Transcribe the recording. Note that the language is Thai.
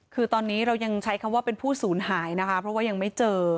คือตอนนี้เรายังใช้คำว่าเป็นผู้สูญหายนะคะเพราะว่ายังไม่เจอ